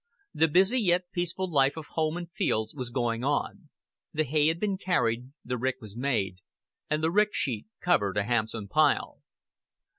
The busy yet peaceful life of home and fields was going on; the hay had been carried; the rick was made, and the rick sheet covered a handsome pile.